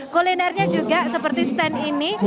kulinernya juga seperti stand ini